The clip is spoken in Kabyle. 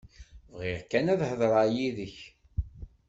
Bɣiɣ kan ad hedreɣ yid-k.